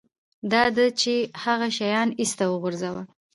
دا ده چې هغه شیان ایسته وغورځوه